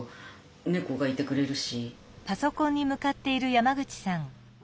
猫がいてくれるし。